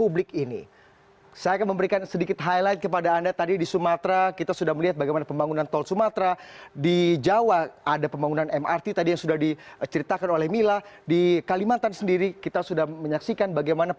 berikut laporannya untuk anda